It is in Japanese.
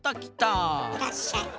いらっしゃい。